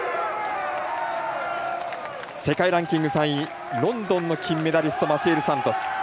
世界ランキング３位ロンドンの金メダリストマシエル・サントス。